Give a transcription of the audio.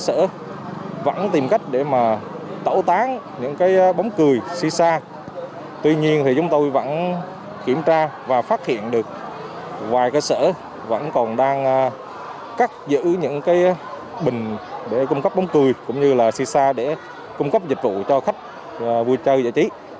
cơ sở vẫn tìm cách để mà tẩu tán những cái bóng cười si sa tuy nhiên thì chúng tôi vẫn kiểm tra và phát hiện được vài cơ sở vẫn còn đang cắt giữ những cái bình để cung cấp bóng cười cũng như là si sa để cung cấp dịch vụ cho khách vui chơi dạy trí